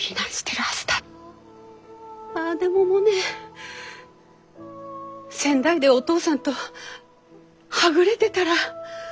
ああでもモネ仙台でおとうさんとはぐれてたら。